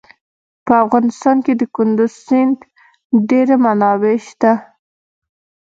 په افغانستان کې د کندز سیند ډېرې منابع شته.